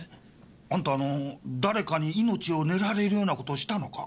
あんた誰かに命を狙われるような事したのか？